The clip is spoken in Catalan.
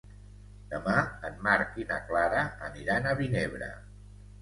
Demà en Marc i na Clara aniran a Vinebre.